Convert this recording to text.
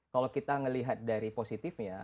kalau kita melihat dari positifnya